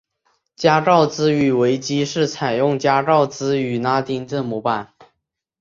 加告兹语维基是采用加告兹语拉丁字母版。